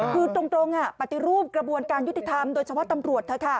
คือตรงปฏิรูปกระบวนการยุติธรรมโดยเฉพาะตำรวจเถอะค่ะ